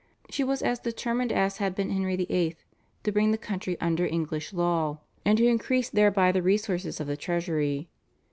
She was as determined as had been Henry VIII. to bring the country under English law, and to increase thereby the resources of the Treasury.